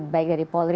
baik dari polri